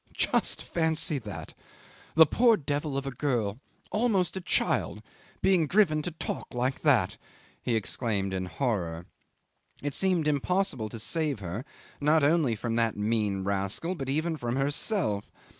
"Just fancy that! The poor devil of a girl, almost a child, being driven to talk like that," he exclaimed in horror. It seemed impossible to save her not only from that mean rascal but even from herself!